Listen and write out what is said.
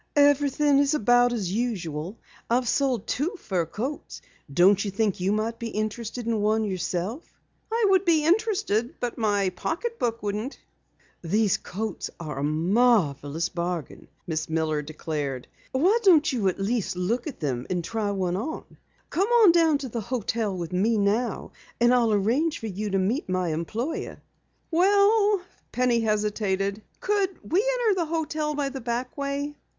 "Everything is about as usual. I've sold two fur coats. Don't you think you might be interested in one yourself?" "I would be interested but my pocketbook wouldn't." "These coats are a marvelous bargain," Miss Miller declared. "Why don't you at least look at them and try one on. Come down to the hotel with me now and I'll arrange for you to meet my employer." "Well " Penny hesitated, "could we enter the hotel by the back way?"